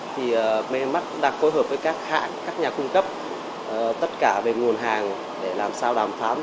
thì mnmac đang côi hợp với các hạng các nhà cung cấp tất cả về nguồn hàng để làm sao đàm phán